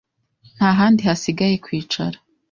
Nta handi hasigaye kwicara.